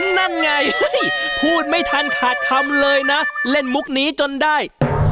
นั่นไงพูดไม่ทันขาดคำเลยนะเล่นมุกนี้จนได้